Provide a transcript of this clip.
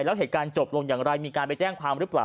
แล้วเหตุการณ์จบลงอย่างไรมีการไปแจ้งความหรือเปล่า